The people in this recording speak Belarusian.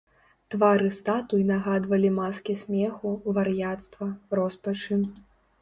Твары статуй нагадвалі маскі смеху, вар'яцтва, роспачы.